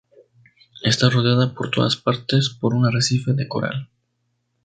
Está rodeada por todas partes por un arrecife de coral.